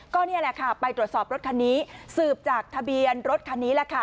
ก็นี่แหละค่ะไปตรวจสอบรถคันนี้สืบจากทะเบียนรถคันนี้แหละค่ะ